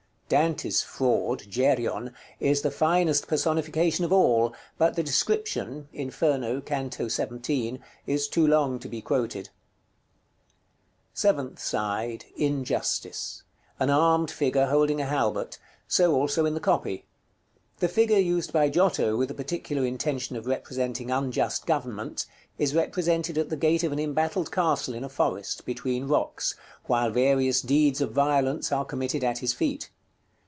Dante's Fraud, Geryon, is the finest personification of all, but the description (Inferno, canto XVII.) is too long to be quoted. § CI. Seventh side. Injustice. An armed figure holding a halbert; so also in the copy. The figure used by Giotto with the particular intention of representing unjust government, is represented at the gate of an embattled castle in a forest, between rocks, while various deeds of violence are committed at his feet.